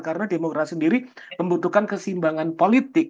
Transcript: karena demokrasi sendiri membutuhkan kesimbangan politik